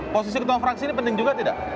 posisi ketua fraksi ini penting juga tidak